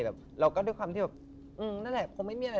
แต่เราก็ด้วยความที่แบบนั่นแหละคงไม่มีอะไร